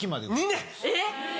えっ！